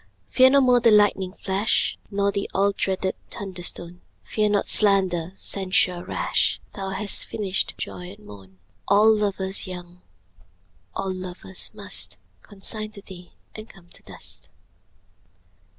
Fear no more the lightning flash Nor the all dreaded thunder stone; Fear not slander, censure rash; Thou hast finished joy and moan: All lovers young, all lovers must Consign to thee, and come to dust.